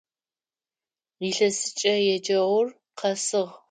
Илъэсыкӏэ еджэгъур къэсыгъ.